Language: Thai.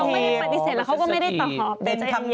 เขาไม่ได้ปฏิเสธแล้วเขาก็ไม่ได้ตอบ